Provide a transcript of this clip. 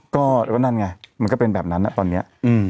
ก็นั่นไงมันก็เป็นแบบนั้นนะตอนนี้